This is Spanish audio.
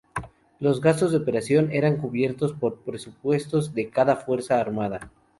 Los gastos de operación eran cubiertos por los presupuestos de cada fuerza armada.